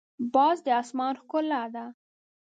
باز د اسمان ښکلا ده